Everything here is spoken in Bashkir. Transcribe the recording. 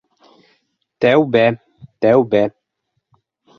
Тәүбә, тәүбә!